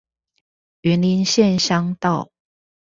雲林縣鄉道